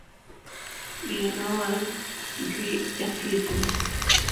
Iye nowang' gi jathiethne